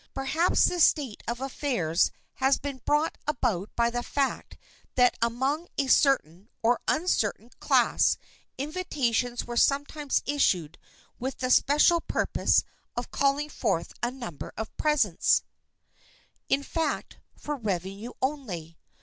Perhaps this state of affairs has been brought about by the fact that among a certain—or uncertain—class, invitations were sometimes issued with the special purpose of calling forth a number of presents,—in fact, for revenue only.